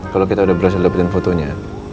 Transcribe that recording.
kalau kita udah berhasil dapetin fotonya